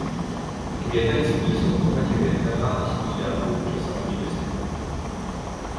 Květenství jsou bohatě větvená a svojí délkou přesahují listy.